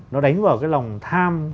nó đánh vào cái lòng tham